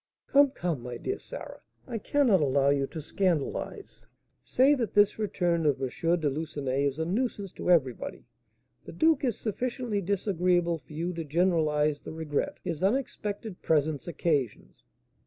"Come, come, my dear Sarah, I cannot allow you to scandalise; say that this return of M. de Lucenay is a nuisance to everybody; the duke is sufficiently disagreeable for you to generalise the regret his unexpected presence occasions."